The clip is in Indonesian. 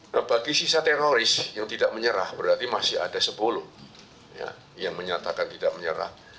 nah bagi sisa teroris yang tidak menyerah berarti masih ada sepuluh yang menyatakan tidak menyerah